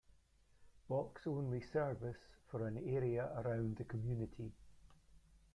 Box only service for an area around the community.